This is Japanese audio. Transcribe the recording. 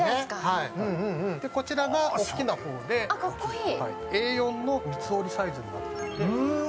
こちらが大きな方で、Ａ４の三つ折りサイズになっているので。